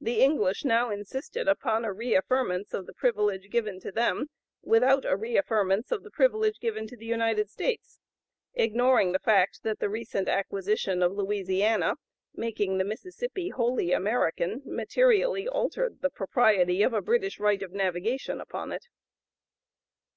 The English now insisted upon a re affirmance of the privilege given to them, without a re affirmance of the privilege given to the United States; ignoring the fact that the recent acquisition of Louisiana, making the Mississippi wholly American, materially altered the propriety of a British right of navigation upon it.